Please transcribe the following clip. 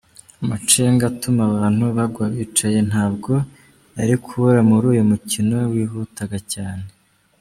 Amacenga atuma abantu bagwa bicaye ntabwo yari kubura muri uyu mukino wihutaga cyane.